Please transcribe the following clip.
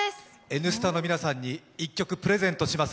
「Ｎスタ」の皆さんに１曲プレゼントします。